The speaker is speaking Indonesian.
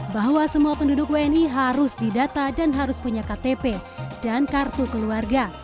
bahwa semua penduduk wni harus didata dan harus punya ktp dan kartu keluarga